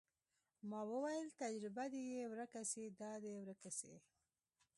ما وويل تجربه دې يې ورکه سي دا دې ورکه سي.